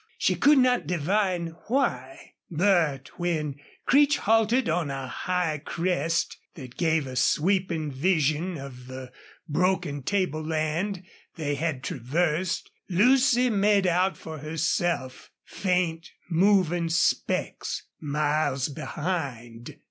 She could not divine why. But when Creech halted on a high crest that gave a sweeping vision of the broken table land they had traversed Lucy made out for herself faint moving specks miles behind.